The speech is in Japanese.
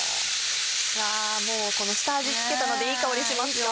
いやこの下味付けたのでいい香りしますよね。